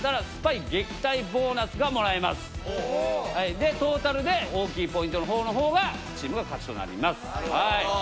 でトータルで大きいポイントのほうのほうがチームが勝ちとなります。